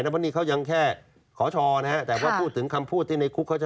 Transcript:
เพราะนี่เขายังแค่ขอชอนะฮะแต่ว่าพูดถึงคำพูดที่ในคุกเขาจะ